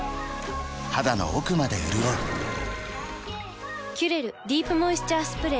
肌の奥まで潤う「キュレルディープモイスチャースプレー」